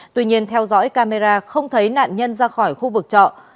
tuy nhiên theo dõi camera không thấy nạn nhân ra khỏi khu vực trọ